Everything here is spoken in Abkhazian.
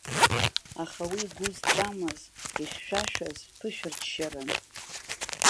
Аха уи гәы зҵамыз, ихьшәашәаз ԥышәырччаран.